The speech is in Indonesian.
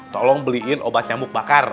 tolong beliin obat nyamuk bakar